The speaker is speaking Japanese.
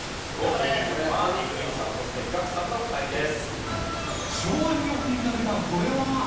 芸人軍は伊集院さんそしてガクさんの２人です。